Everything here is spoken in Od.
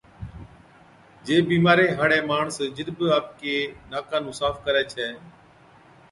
جي بِيمارِي هاڙَي ماڻس جِڏ بِي آپڪي ناڪان نُون صاف ڪرَي ڇَي،